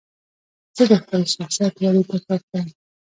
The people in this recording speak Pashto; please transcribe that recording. زه د خپل شخصیت ودي ته کار کوم.